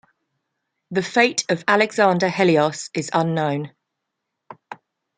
The fate of Alexander Helios is unknown.